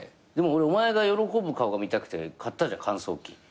でも俺お前が喜ぶ顔が見たくて買ったじゃん乾燥機。